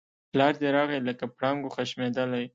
پلار دی راغی لکه پړانګ وو خښمېدلی